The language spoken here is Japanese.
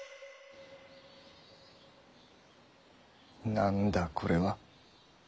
何だこれはッ。